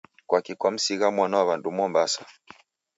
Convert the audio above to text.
Kwaki kwamsigha mwana wa w'andu Mombasa?